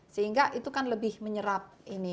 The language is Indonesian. sehingga itu kan lebih menyerap ini